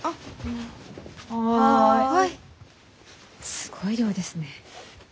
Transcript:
すごい量ですね。